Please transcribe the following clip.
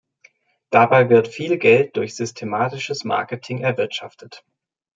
Dabei wird viel Geld durch systematisches Marketing erwirtschaftet.